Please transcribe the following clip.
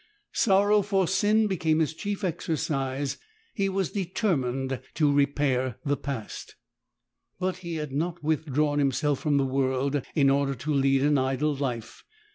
Sorrow for sin became his chief exercise. He was determined to repair the past. But he had not with drawn himself from the world in order to lead an idle life.